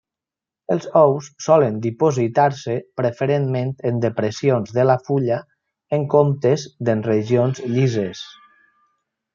Els ous solen dipositar-se preferentment en depressions de la fulla en comptes d'en regions llises.